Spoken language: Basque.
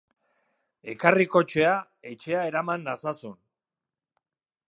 Ekarri kotxea, etxea eraman nazazun.